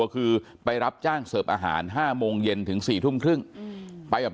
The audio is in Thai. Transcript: อายุ๑๐ปีนะฮะเขาบอกว่าเขาก็เห็นถูกยิงนะครับ